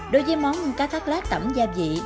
đối với món cá thác lát tẩm gia vị